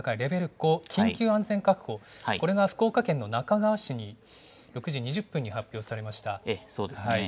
５緊急安全確保、これが福岡県の那珂川市に６時２０分に発表されまそうですね。